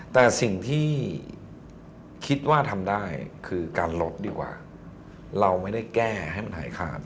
แต่สิ่งที่คิดว่าทำได้คือการลดดีกว่าเราไม่ได้แก้ให้มันหายขาด